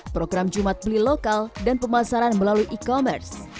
program jumat beli lokal dan pemasaran melalui e commerce